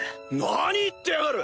何言ってやがる！